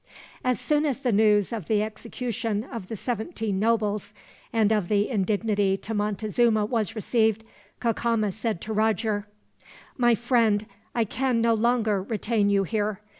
As soon as the news of the execution of the seventeen nobles, and of the indignity to Montezuma was received; Cacama said to Roger: "My friend, I can no longer retain you here.